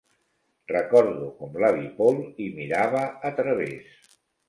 Recordo com l'avi Paul hi mirava a través.